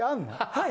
はい。